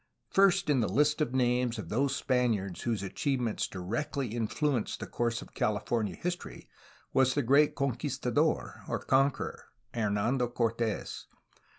First in the Ust of names of those Spaniards whose achievements directly influenced the course of California history was the great conquistador, or conqueror, Hernando Cortes.